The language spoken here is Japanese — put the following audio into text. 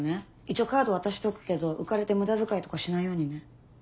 一応カード渡しとくけど浮かれて無駄遣いとかしないようにね。